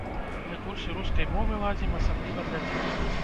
Мы курсы рускай мовы ладзім, асабліва для дзетак.